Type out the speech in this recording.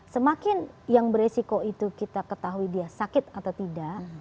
semakin yang beresiko itu kita ketahui dia sakit atau tidak